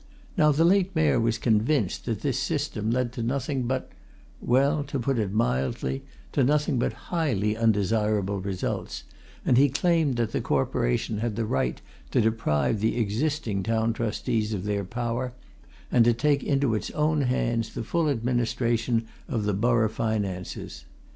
Now the late Mayor was convinced that this system led to nothing but well, to put it mildly, to nothing but highly undesirable results, and he claimed that the Corporation had the right to deprive the existing Town Trustees of their power, and to take into its own hands the full administration of the borough finances.